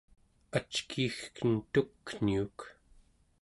ackiigken tukniuk